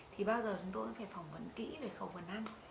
thì bao giờ chúng tôi phải phỏng vấn kỹ về khẩu phần ăn